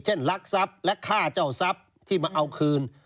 ลักทรัพย์และฆ่าเจ้าทรัพย์ที่มาเอาคืน